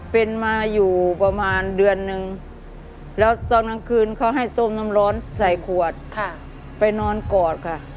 เป็นมาอยู่ประมาณเดือนนึงแล้วตอนกลางคืนเขาให้ต้มน้ำร้อนใส่ขวดไปนอนกอดค่ะ